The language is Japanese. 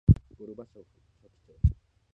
ゴルバチョフ書記長